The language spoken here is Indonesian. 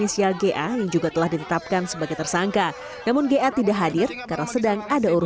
saya minta maaf untuk itu semua